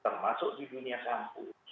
termasuk di dunia sampul